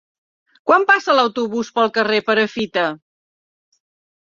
Quan passa l'autobús pel carrer Perafita?